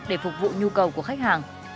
để phục vụ nhu cầu của khách hàng